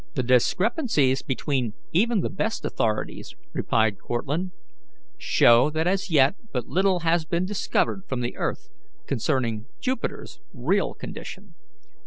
"The discrepancies between even the best authorities," replied Cortlandt, "show that as yet but little has been discovered from the earth concerning Jupiter's real condition.